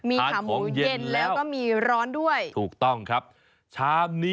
มีขาหมูเย็นแล้วก็มีร้อนด้วยทานของเย็นแล้วถูกต้องครับทานของเย็นแล้วก็มีร้อนด้วย